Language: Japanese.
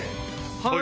はい！